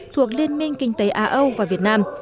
thuộc liên minh kinh tế á âu và việt nam